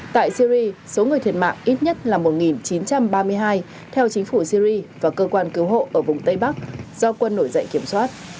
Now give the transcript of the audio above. tại syri số người thiệt mạng ít nhất là một chín trăm ba mươi hai theo chính phủ syri và cơ quan cứu hộ ở vùng tây bắc do quân nổi dậy kiểm soát